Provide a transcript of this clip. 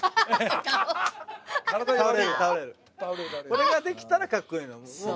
これができたらかっこいいの。